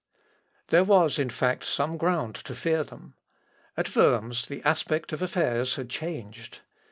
There was, in fact, some ground to fear them. At Worms, the aspect of affairs had changed.